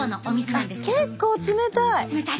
あっ結構冷たい。